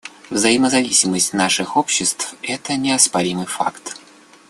Взаимозависимость наших обществ — это неоспоримый факт.